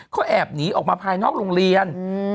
เขาแอบหนีออกมาภายนอกโรงเรียน